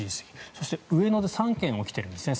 そして上野で３件起きているんですね。